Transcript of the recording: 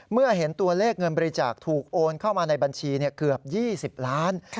เมื่อเห็นตัวเลขเงินบริจาคถูกโอนเข้ามาในบัญชีเกือบ๒๐ล้าน